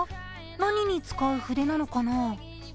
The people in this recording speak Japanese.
何に使う筆なのかな？